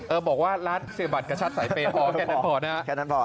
เออบอกว่าร้านเสียบัตรขัดสายเปก๋อก่อนกันนั้นพอ